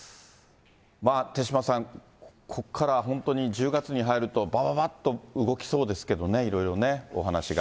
手嶋さん、ここからは本当に１０月に入ると、ばばばっと動きそうですけどね、いろいろね、お話が。